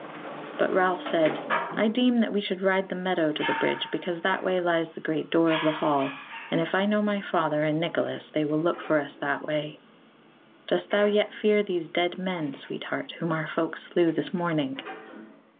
But Ralph said: "I deem that we should ride the meadow to the bridge, because that way lies the great door of the hall, and if I know my father and Nicholas they will look for us that way. Dost thou yet fear these dead men, sweetheart, whom our folk slew this morning?"